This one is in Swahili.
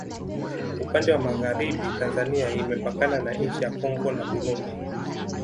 upande wa magharibi tanzania imepakana na nchi ya kongo na burundi